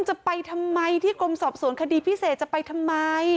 จะไปทำไมที่กรมสอบสวนคดีพิเศษจะไปทำไม